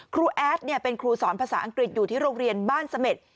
แอดเป็นครูสอนภาษาอังกฤษอยู่ที่โรงเรียนบ้านเสม็ด